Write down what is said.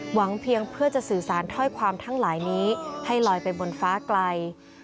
เพียงเพื่อจะสื่อสารถ้อยความทั้งหลายนี้ให้ลอยไปบนฟ้าไกล